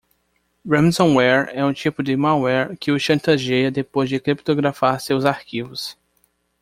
Ransomware é o tipo de malware que o chantageia depois de criptografar seus arquivos.